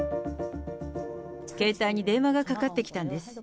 携帯に電話がかかってきたんです。